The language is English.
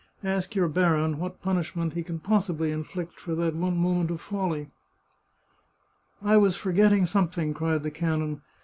Ask your baron what punishment he can possibly inflict for that one moment of folly," " I was forgetting something," cried the canon.